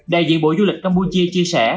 đại diện bộ du lịch campuchia chia sẻ